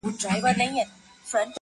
يو وزير به يې مين وو پر رنگونو،